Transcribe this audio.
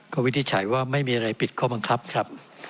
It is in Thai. ก็วินิจฉัยว่าไม่มีอะไรปิดข้อบังคับครับ